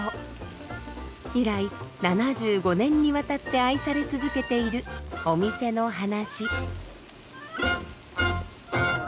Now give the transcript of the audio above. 以来７５年にわたって愛され続けているお店の話。